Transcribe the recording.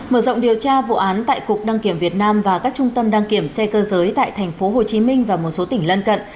mở rộng điều tra vụ án tại cục đăng kiểm việt nam và các trung tâm đăng kiểm xe cơ giới tại tp hcm và một số tỉnh lân cận